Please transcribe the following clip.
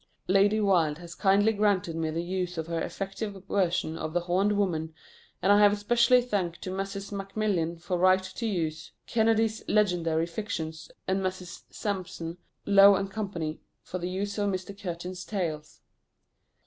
Lady Wilde has kindly granted me the use of her effective version of "The Horned Women"; and I have specially to thank Messrs. Macmillan for right to use Kennedy's Legendary Fictions, and Messrs. Sampson Low & Co., for the use of Mr. Curtin's Tales.